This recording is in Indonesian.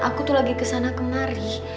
aku tuh lagi kesana kemari